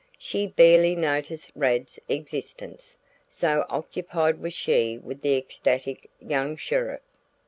She barely noticed Rad's existence, so occupied was she with the ecstatic young sheriff.